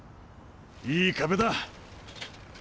いい壁だ！